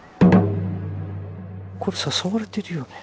これ誘われてるよね。